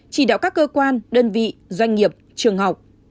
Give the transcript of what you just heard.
chỉ đạo các cơ quan đơn vị doanh nghiệp trường học